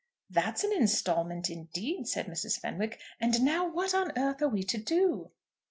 "That's an instalment indeed," said Mrs. Fenwick. "And now what on earth are we to do?"